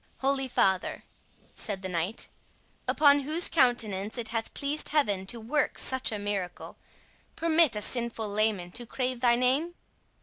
"Holy father," said the knight, "upon whose countenance it hath pleased Heaven to work such a miracle, permit a sinful layman to crave thy name?"